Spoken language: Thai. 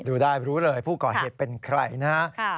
ดูได้รู้เลยผู้ก่อเหตุเป็นใครนะฮะ